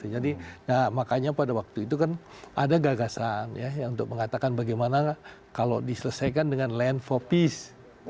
jadi makanya pada waktu itu kan ada gagasan untuk mengatakan bagaimana kalau diselesaikan dengan land for peace